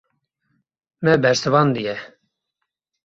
Me bersivandiye.